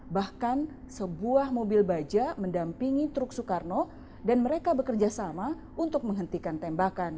bahkan sebuah mobil baja mendampingi truk soekarno dan mereka bekerja sama untuk menghentikan tembakan